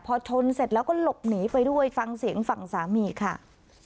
พอชนเสร็จแล้วก็หลบหนีไปด้วยฟังเสียงฝั่งสามีค่ะ